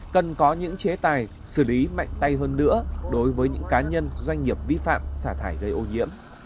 cần có những chế tài xử lý mạnh tay hơn nữa đối với những cá nhân doanh nghiệp vi phạm xả thải gây ô nhiễm